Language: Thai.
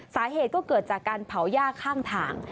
สาเหตุก็เกิดจากการเผาย่าข้างทาง